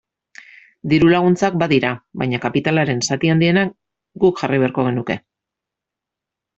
Diru-laguntzak badira, baina kapitalaren zati handiena guk jarri beharko genuke.